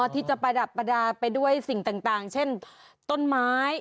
ที่จะประดับประดาษไปด้วยสิ่งต่างเช่นต้นไม้